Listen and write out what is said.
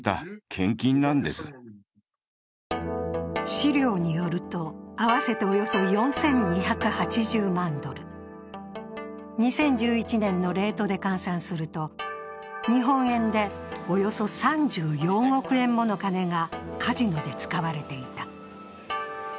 資料によると、合わせておよそ１２８０万ドル、２０１１年のレートで換算すると、日本円でおよそ３４億円もの金がカジノで使われていた。